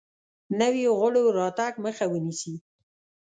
نویو غړو راتګ مخه ونیسي.